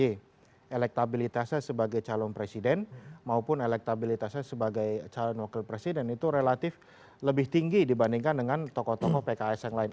elektabilitasnya sebagai calon presiden maupun elektabilitasnya sebagai calon wakil presiden itu relatif lebih tinggi dibandingkan dengan tokoh tokoh pks yang lain